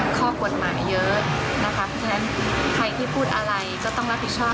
ข้อกฎหมายเยอะนะคะเพราะฉะนั้นใครที่พูดอะไรก็ต้องรับผิดชอบ